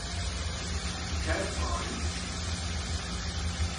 Cats eyes.